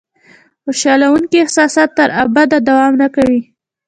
خوشالونکي احساسات تر ابده دوام نه کوي.